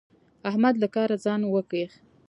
احمد له کاره ځان وکيښ.